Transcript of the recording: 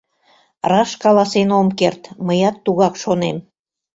— Раш каласен ом керт, мыят тугак шонем.